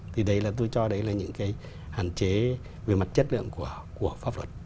thì tôi cho đấy là những cái hạn chế về mặt chất lượng của pháp luật